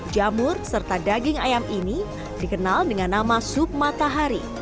jamur serta daging ayam ini dikenal dengan nama sup matahari